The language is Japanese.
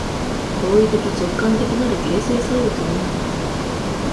行為的直観的なる形成作用というのは、